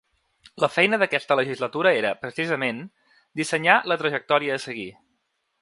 La feina d’aquesta legislatura era, precisament, dissenyar la trajectòria a seguir.